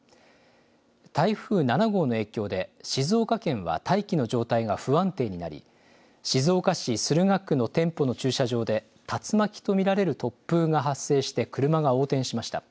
台風７号の影響で静岡県は大気の状態が不安定になり静岡市駿河区の店舗の駐車場で竜巻と見られる突風が発生して車が横転しました。